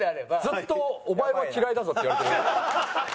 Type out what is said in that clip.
ずっと「お前は嫌いだぞ」って言われてる。